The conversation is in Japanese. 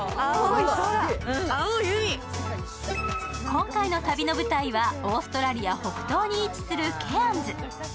今回の旅の舞台はオーストラリア北東に位置するケアンズ。